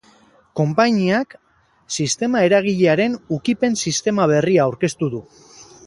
Konpainiak sistema eragilearen ukipen-sistema berria aurkeztu du.